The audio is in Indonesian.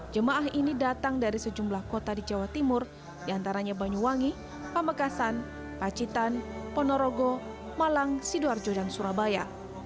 jemaah ini datang dari sejumlah kota di jawa timur diantaranya banyuwangi pamekasan pacitan ponorogo malang sidoarjo dan surabaya